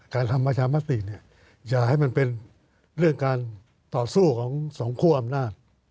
ทำประชามติเนี่ยอย่าให้มันเป็นเรื่องการต่อสู้ของสองคั่วอำนาจ